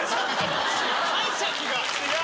解釈が！